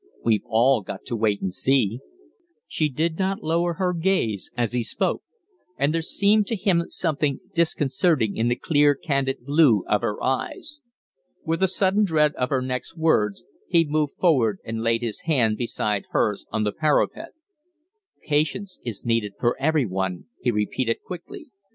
"We've all got to wait and see." She did not lower her gaze as he spoke; and there seemed to him something disconcerting in the clear, candid blue of her eyes. With a sudden dread of her next words, he moved forward and laid his hand beside hers on the parapet. "Patience is needed for every one," he repeated, quickly.